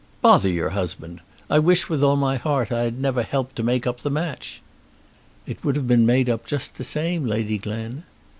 "Bother your husband! I wish with all my heart I had never helped to make up the match." "It would have been made up just the same, Lady Glen."